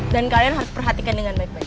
dan kalian harus perhatikan dengan baik baik